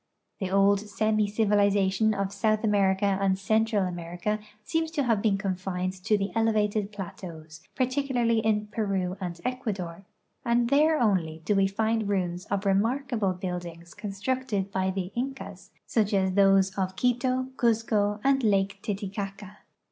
The old semi civilization of South America and Central America seems to have been confined to the elevated j)lateaus, particularly in Peru and Ecuador, and there onlv do we find ruins of the remarkable Imildings constructed by the Incas, such as those of Quito, Cuzco, and Lake Titicaca.